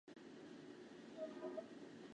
邓禹派遣使者告知光武帝。